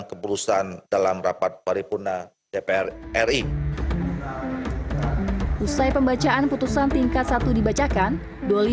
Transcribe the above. keputusan dalam rapat paripurna dpr ri usai pembacaan putusan tingkat satu dibacakan doli